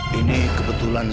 selalu mencari orang itu